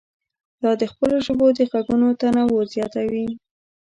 دا د خپلو ژبو د غږونو تنوع زیاتوي.